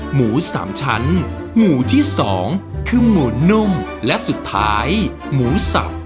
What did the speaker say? หมูสามชั้นหมูที่สองคือหมูนุ่มและสุดท้ายหมูสับ